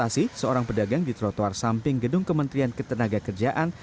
meski begitu kostasi seorang pedagang di trotoar samping gedung kementerian ketenaga kerjaan